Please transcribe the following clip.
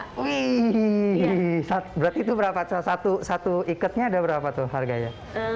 wih berat itu berapa satu ikatnya ada berapa tuh harganya